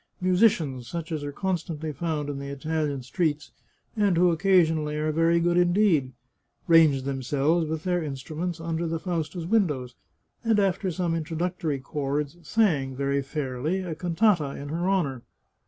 Musicians, such as are constantly found in the Italian streets, and who occasionally are very good in deed, ranged themselves with their instruments under the Fausta's windows, and, after some introductory chords, sang, very fairly, a cantata in her honour.